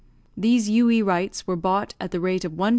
These U.E. rights were bought at the rate of 1s.